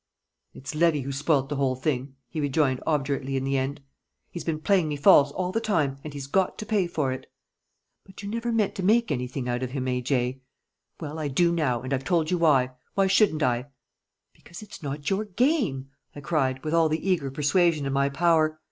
"It's Levy who's spoilt the whole thing," he rejoined obdurately in the end. "He's been playing me false all the time, and he's got to pay for it." "But you never meant to make anything out of him, A.J.!" "Well, I do now, and I've told you why. Why shouldn't I?" "Because it's not your game!" I cried, with all the eager persuasion in my power.